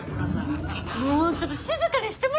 もうちょっと静かにしてもらえませんか！？